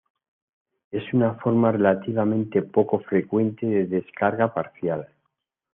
Es una forma relativamente poco frecuente de descarga parcial.